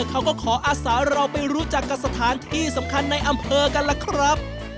เขาก็ขออาสาเราไปรู้จักกับสถานที่สำคัญในอำเภอกันล่ะครับ